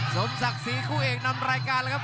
สมศักดิ์ศรีคู่เอกนำรายการเลยครับ